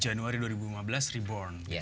januari dua ribu lima belas reborn gitu ya